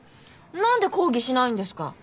何で抗議しないんですか？